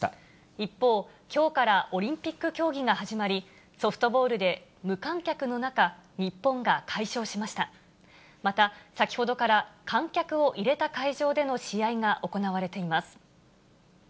一方、きょうからオリンピック競技が始まり、先ほどから観客を入れた会場での試合が行われています。